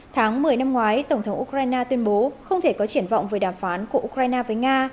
tháng một mươi năm ngoái tổng thống ukraine tuyên bố không thể có triển vọng về đàm phán của ukraine với nga